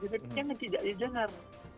tapi kan tidak didengar